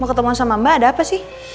mau ketemuan sama mbak ada apa sih